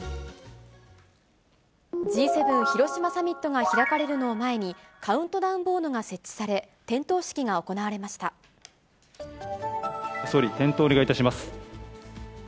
Ｇ７広島サミットが開かれるのを前に、カウントダウンボードが設置され、点灯式が行われまし総理、点灯をお願いいたします。